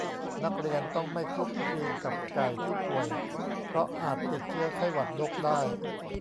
นักเรียนต้องไม่คลุกคลีกับไก่ที่ป่วย เพราะอาจติดเชื้อไข้หวัดนกได้